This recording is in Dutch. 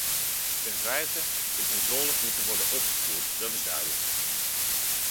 Ten vijfde, de controles moeten worden opgevoerd, dat is duidelijk.